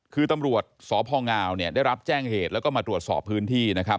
คือตำรวจศพงาวได้รับแจ้งเหตุและมาตรวจสอบพื้นที่